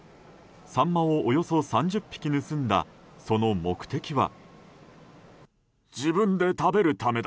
サンマをおよそ３０匹盗んだその目的は？